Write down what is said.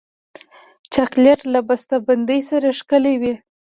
چاکلېټ له بسته بندۍ سره ښکلی وي.